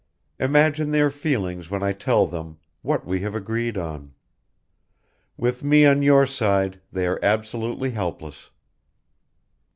Imagine their feelings when I tell them what we have agreed on! With me on your side they are absolutely helpless."